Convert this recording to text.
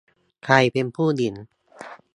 ใครเป็นผู้หญิง ?